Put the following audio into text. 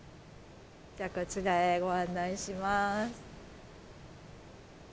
じゃあこちらへご案内します。